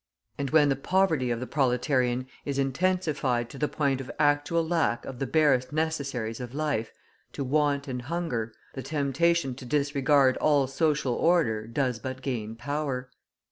And when the poverty of the proletarian is intensified to the point of actual lack of the barest necessaries of life, to want and hunger, the temptation to disregard all social order does but gain power.